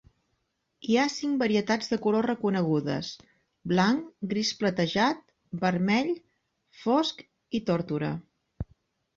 Hi ha cinc varietats de color reconegudes: blanc, gris platejat, vermell, fosc i tórtora.